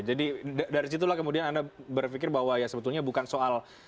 jadi dari situlah kemudian anda berpikir bahwa ya sebetulnya bukan soal